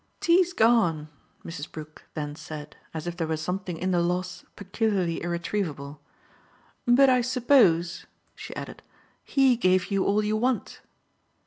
"Tea's gone," Mrs. Brook then said as if there were something in the loss peculiarly irretrievable. "But I suppose," she added, "he gave you all you want."